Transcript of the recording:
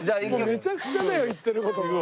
めちゃくちゃだよ言ってる事が。